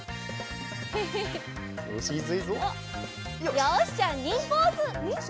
よしじゃあニンポーズ！